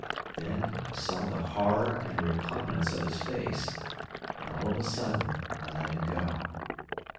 Then I saw the horror and repugnance of his face, and all of a sudden I let him go.